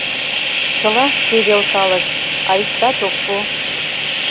Чыла шке вел калык, а иктат ок пу.